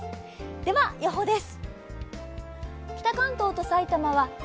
では予報です。